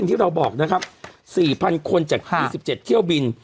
ที่เราบอกนะครับ๔๐๐คนจาก๔๗เที่ยวบิน